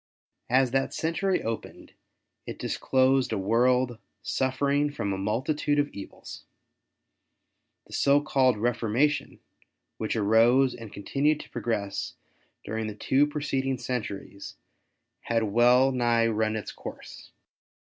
As that century opened it disclosed a world suffering from a multitude of evils. The so called Refor mation, which arose and continued to progress during the two preceding centuries had well nigh run its course.